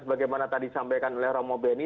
sebagaimana tadi disampaikan oleh romo beni